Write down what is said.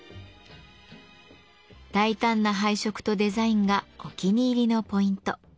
大胆な配色とデザインがお気に入りのポイント。